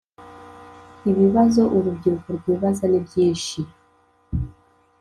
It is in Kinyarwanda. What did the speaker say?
ibibazo urubyiruko rwibaza ni byishi